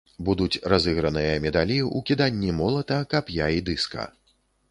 Будуць разыграныя медалі ў кіданні молата, кап'я і дыска.